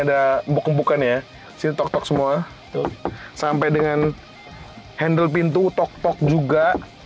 habis ini ada empuk empukan ya sini tok tok semua sampai dengan handle pintu tok tok juga